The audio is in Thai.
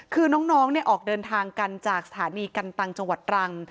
คือน้องออกเดินทางกันจากสถานีกันตังจังหวัดตรัง